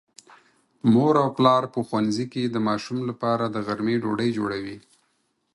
مور او پلار په ښوونځي کې د ماشوم لپاره د غرمې ډوډۍ جوړوي.